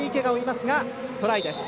トライです。